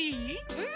うん？